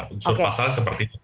unsur pasalnya seperti ini